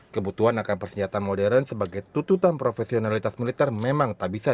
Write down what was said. kebutuhan akan persenjataan modern sebagai tuntutan profesionalitas militer memang tak bisa